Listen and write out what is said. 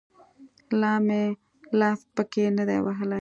لا مې لاس پکښې نه دى وهلى.